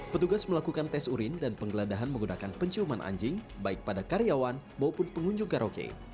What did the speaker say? petugas melakukan tes urin dan penggeledahan menggunakan penciuman anjing baik pada karyawan maupun pengunjung karaoke